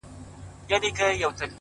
هغه زما زړه ته د کلو راهيسې لار کړې ده!!